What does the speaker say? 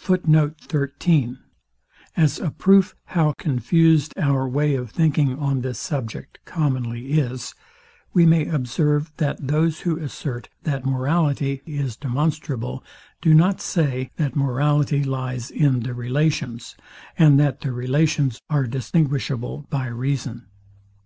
As a proof, how confused our way of thinking on this subject commonly is, we may observe, that those who assert, that morality is demonstrable, do not say, that morality lies in the relations, and that the relations are distinguishable by reason.